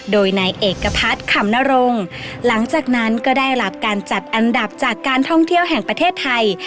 โดยนายเอกพัฒน์ขำนรงค์หลังจากนั้นก็ได้รับการจัดอันดับจากการท่องเที่ยวแห่งประเทศไทย